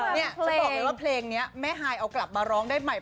จะบอกเลยว่าเพลงนี้แม่ฮายเอากลับมาร้องได้ใหม่